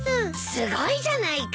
すごいじゃないか。